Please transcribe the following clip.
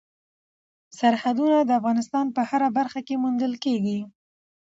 سرحدونه د افغانستان په هره برخه کې موندل کېږي.